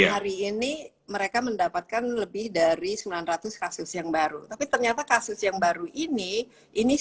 hari ini mereka mendapatkan lebih dari sembilan ratus kasus yang baru tapi ternyata kasus yang baru ini